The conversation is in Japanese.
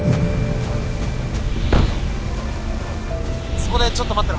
そこでちょっと待ってろ